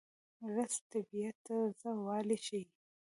رس د طبیعت تازهوالی ښيي